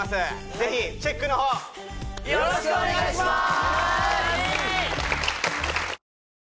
ぜひチェックのほうよろしくお願いしまーす！